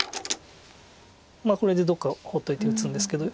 これでどっか放っといて打つんですけど。